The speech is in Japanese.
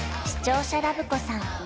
視聴者ラブ子さん